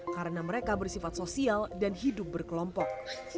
karena mereka bersifat sosial dan hidup berkelompok